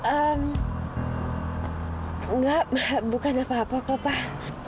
enggak bukan apa apa kok pak